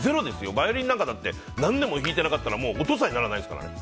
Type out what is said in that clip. バイオリンなんて何年も弾いてなかったら音さえ鳴らないですから。